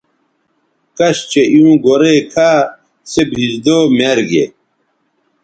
کش چہء ایوں گورئ کھا سے بھیزدو میر گے